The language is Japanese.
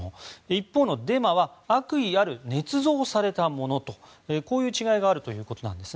一方のデマは悪意あるねつ造されたものとこういう違いがあるということです。